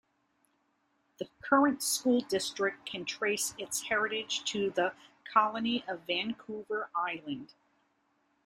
The current school district can trace its heritage to the Colony of Vancouver Island.